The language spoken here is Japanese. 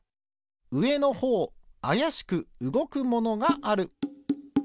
うえのほうあやしくうごくものがある。